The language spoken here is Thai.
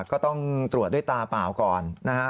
ก็ต้องตรวจด้วยตาเปล่าก่อนนะฮะ